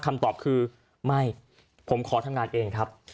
คำตอบคือไม่ผมขอทำงานเองครับ